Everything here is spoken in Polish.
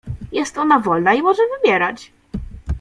"Jest ona wolna i może wybierać."